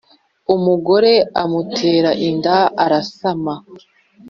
umugore amutera inda arasama.